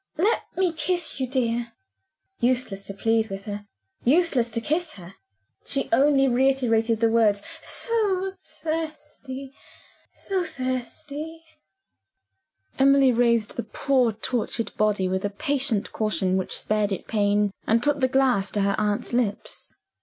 Let me kiss you, dear!" Useless to plead with her; useless to kiss her; she only reiterated the words, "So thirsty! so thirsty!" Emily raised the poor tortured body with a patient caution which spared it pain, and put the glass to her aunt's lips.